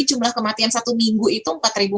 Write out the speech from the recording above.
jumlah kematian satu minggu itu empat empat ratus